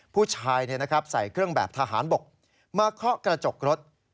ผู้ชายใส่เครื่องแบบทหารบกมาเคาะกระจกรถ